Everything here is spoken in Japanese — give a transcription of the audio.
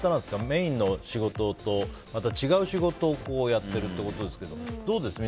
メインの仕事とまた違う仕事をやってるということですけどどうですか？